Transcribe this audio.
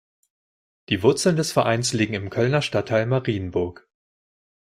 Die Wurzeln des Vereins liegen im Kölner Stadtteil Marienburg.